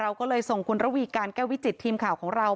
เราก็เลยส่งคุณระวีการแก้ววิจิตทีมข่าวของเรา